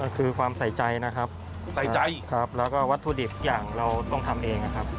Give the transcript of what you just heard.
คือความใส่ใจนะครับใส่ใจครับแล้วก็วัตถุดิบทุกอย่างเราต้องทำเองนะครับ